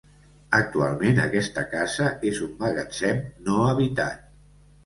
Actualment aquesta casa és un magatzem no habitat.